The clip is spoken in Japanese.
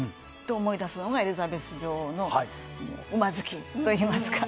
思い出すのが、エリザベス女王の馬好きといいますか。